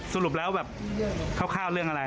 สรุปแล้วเข้าข้าวเรื่องอะไร